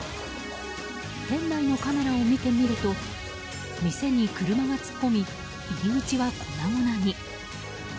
店内のカメラを見てみると店に車が突っ込み入り口は粉々に。